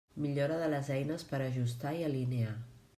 Millora de les eines per ajustar i alinear.